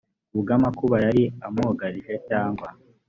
ubw amakuba yari amwugarije cyangwa